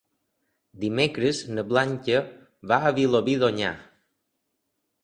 Dimecres na Blanca va a Vilobí d'Onyar.